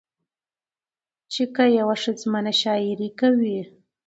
چې که يوه ښځمنه شاعري کوي